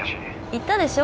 言ったでしょ？